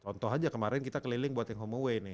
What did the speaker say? contoh aja kemarin kita keliling buat yang homeaway nih